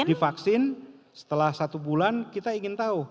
di vaksin setelah satu bulan kita ingin tahu